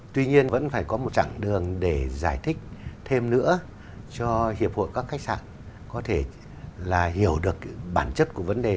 tuy nhiên vẫn phải có một chặng đường để giải thích thêm nữa cho hiệp hội các khách sạn có thể là hiểu được bản chất của vấn đề